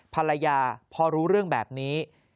ภรรยาพอรู้เรื่องแบบนี้